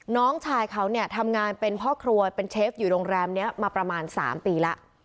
น้องชายเขาเนี่ยทำงานเป็นพ่อครัวเป็นเชฟอยู่โรงแรมนี้มาประมาณ๓ปีแล้ว